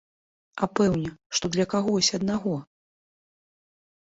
А пэўне, што для кагось аднаго!